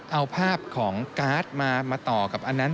เอาภาพของการ์ดมาต่อกับอันนั้น